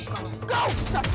kau tak terima